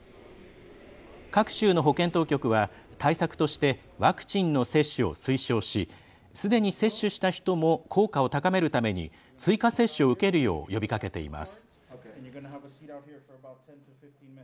各州の保健当局は対策としてワクチンの接種を推奨しすでに接種した人も効果を高めるために追加接種を受けるよう呼びかけています。